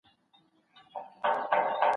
له تاریخ څخه خبرېدل د څېړونکي صفت دی.